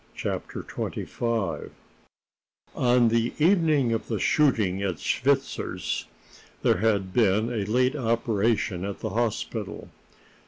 CHAPTER XXV On the evening of the shooting at Schwitter's, there had been a late operation at the hospital.